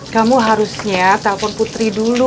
kamu harusnya telpon putri dulu